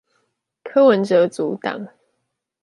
柯文哲組黨